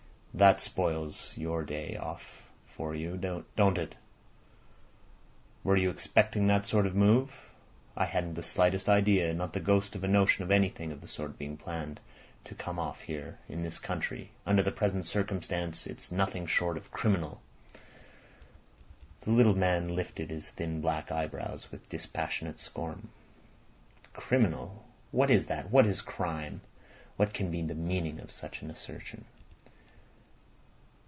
That spoils your day off for you—don't it? Were you expecting that sort of move? I hadn't the slightest idea—not the ghost of a notion of anything of the sort being planned to come off here—in this country. Under the present circumstances it's nothing short of criminal." The little man lifted his thin black eyebrows with dispassionate scorn. "Criminal! What is that? What is crime? What can be the meaning of such an assertion?"